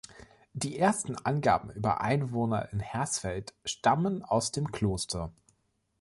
Die ersten Angaben über Einwohner in Hersfeld stammen aus dem Kloster.